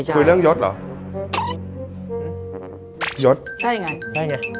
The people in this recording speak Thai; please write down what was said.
สโลแกนดี